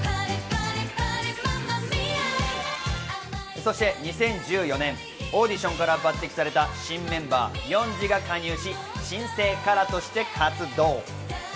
そして２０１４年、オーディションから抜擢された新メンバー・ヨンジが加入し、新生ＫＡＲＡとして活動。